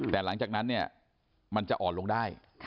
แต่หลังจากนั้นเนี่ยมันจะอ่อนลงได้